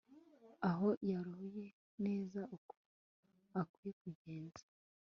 aho yaroye neza uko akwiye kugenza